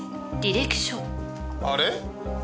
あれ？